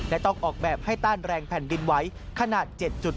และต้องออกแบบให้ต้านแรงแผ่นดินไหวขนาด๗๘